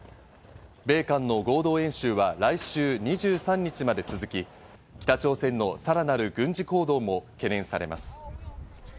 米韓の合同演習は来週２３日まで続き、北朝鮮のさらなる軍事行動も懸念されます。